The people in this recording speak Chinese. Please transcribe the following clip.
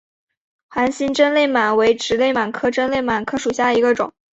环形真绥螨为植绥螨科真绥螨属下的一个种。